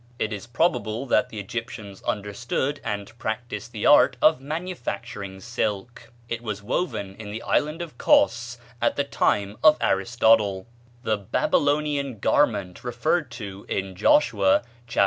It is probable that the Egyptians understood and practised the art of manufacturing silk. It was woven in the island of Cos in the time of Aristotle. The "Babylonish garment" referred to in Joshua (chap.